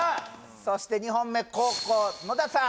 そして２本目後攻野田さん